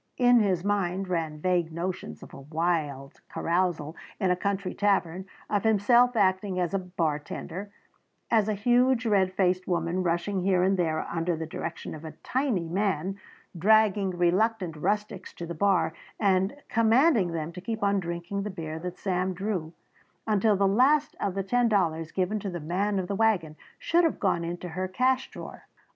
In his mind ran vague notions of a wild carousal in a country tavern, of himself acting as bartender, and a huge red faced woman rushing here and there under the direction of a tiny man, dragging reluctant rustics to the bar and commanding them to keep on drinking the beer that Sam drew until the last of the ten dollars given to the man of the wagon should have gone into her cash drawer.